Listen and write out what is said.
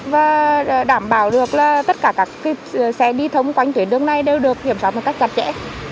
và đảm bảo được là tất cả các xe đi thông quanh tuyển đường này đều được kiểm soát một cách gạt trẻ